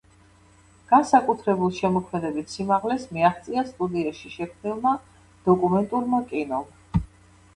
განსაკუთრებულ შემოქმედებით სიმაღლეს მიაღწია სტუდიაში შექმნილმა დოკუმენტურმა კინომ.